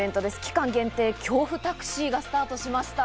期間限定、恐怖タクシーがスタートしました。